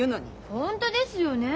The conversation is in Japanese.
本当ですよね。